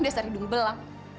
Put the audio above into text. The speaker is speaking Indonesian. udah seri dulu belang